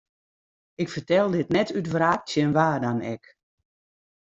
Ik fertel dit net út wraak tsjin wa dan ek.